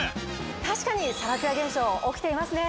確かにサラツヤ現象起きていますね。